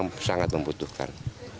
yang memang sangat membutuhkan